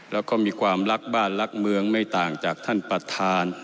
แล้วก็มีความรักบ้านรักเมืองไม่ต่างจากท่านประธาน